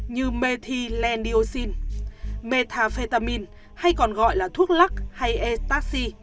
như methylenediocin methafetamin hay còn gọi là thuốc lắc hay estaxi